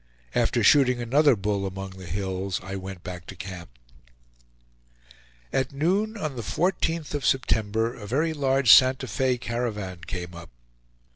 After shooting another bull among the hills, I went back to camp. At noon, on the 14th of September, a very large Santa Fe caravan came up.